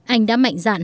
anh đã mạnh dạn